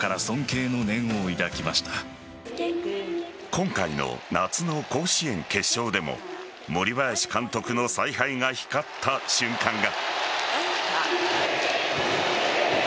今回の夏の甲子園決勝でも森林監督の采配が光った瞬間が。